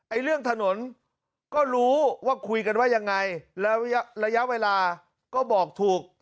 เรื่องถนนก็รู้ว่าคุยกันว่ายังไงแล้วระยะเวลาก็บอกถูก